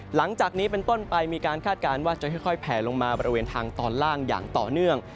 หลังจากนี้เป็นต้นไปมีการคาดการณ์ว่าจะค่อยแผลลงมาบริเวณทางตอนล่างอย่างต่อเนื่อง